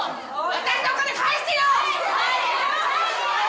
私のお金返してよ！